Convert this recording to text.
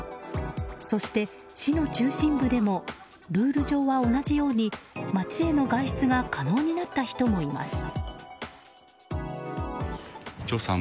そして、市の中心部でもルール上は同じように街への外出が可能になった人もいます。